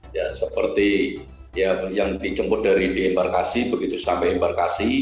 ya seperti yang dijemput dari dembarkasi begitu sampai embarkasi